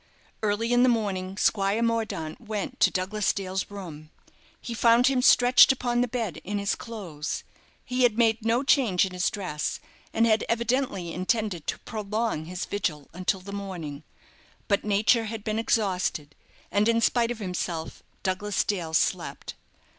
Early in the morning, Squire Mordaunt went to Douglas Dale's room. He found him stretched upon the bed in his clothes. He had made no change in his dress, and had evidently intended to prolong his vigil until the morning, but nature had been exhausted, and in spite of himself Douglas? Dale slept.